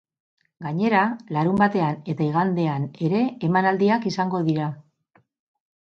Gainera, larunbatean eta igandean ere emanaldiak izango dira.